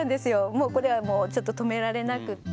もうこれはもうちょっと止められなくって。